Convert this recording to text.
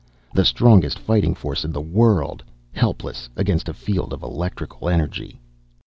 The strongest fighting force in the world, helpless against a field of electric energy!